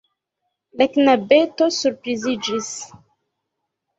La knabeto surpriziĝis.